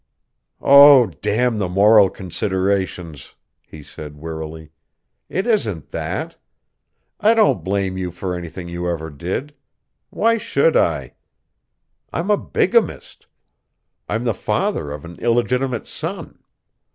"Oh, damn the moral considerations," he said wearily. "It isn't that. I don't blame you for anything you ever did. Why should I? I'm a bigamist. I'm the father of an illegitimate son.